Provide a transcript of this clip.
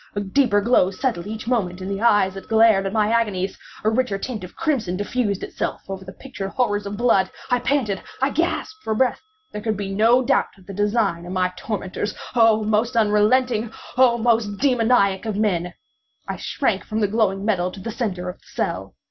A deeper glow settled each moment in the eyes that glared at my agonies! A richer tint of crimson diffused itself over the pictured horrors of blood. I panted! I gasped for breath! There could be no doubt of the design of my tormentors—oh! most unrelenting! oh! most demoniac of men! I shrank from the glowing metal to the centre of the cell.